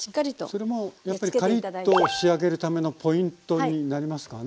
それもやっぱりカリッと仕上げるためのポイントになりますかね？